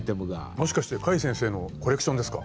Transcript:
もしかして櫂先生のコレクションですか？